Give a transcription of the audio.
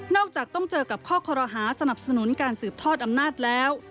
จากต้องเจอกับข้อคอรหาสนับสนุนการสืบทอดอำนาจแล้ว